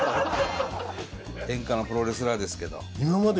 天下のプロレスラーですけど。